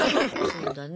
「そうだね。